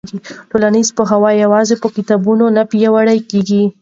ټولنیز پوهه یوازې په کتابونو نه پیاوړې کېږي.